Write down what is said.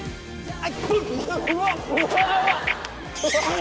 あ！